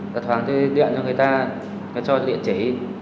đặt hàng tôi điện cho người ta cho điện chế